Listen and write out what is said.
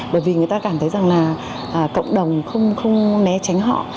bởi vì người ta cảm thấy rằng là cộng đồng không né tránh họ